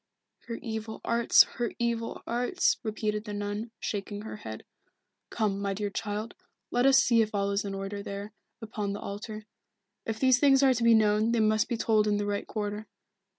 "Her evil arts, her evil arts," repeated the nun, shaking her head. "Come, my dear child, let us see if all is in order there, upon the altar. If these things are to be known they must be told in the right quarter.